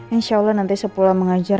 insya allah nanti sepuluh tahun mengajar